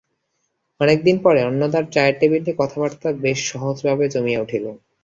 অনেক দিন পরে অন্নদার চায়ের টেবিলে কথাবার্তা বেশ সহজভাবে জমিয়া উঠিল।